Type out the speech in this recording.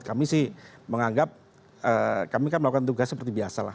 kami sih menganggap kami kan melakukan tugas seperti biasa lah